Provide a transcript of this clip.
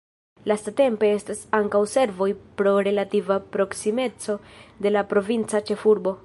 Lastatempe estas ankaŭ servoj pro relativa proksimeco de la provinca ĉefurbo.